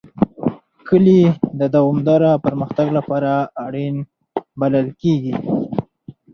کلي د دوامداره پرمختګ لپاره اړین بلل کېږي.